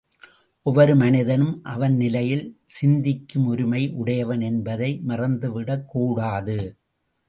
ஒவ்வொரு மனிதனும் அவன் நிலையில் சிந்திக்கும் உரிமை உடையவன் என்பதை மறந்துவிடக்கூடாது.